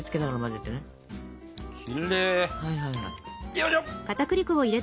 よいしょ！